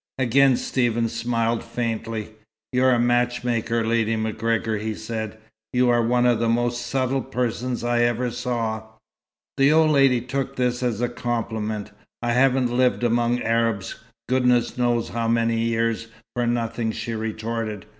Again Stephen smiled faintly. "You're a matchmaker, Lady MacGregor," he said. "You are one of the most subtle persons I ever saw." The old lady took this as a compliment. "I haven't lived among Arabs, goodness knows how many years, for nothing," she retorted.